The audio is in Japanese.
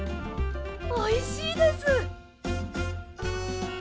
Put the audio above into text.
おいしいです！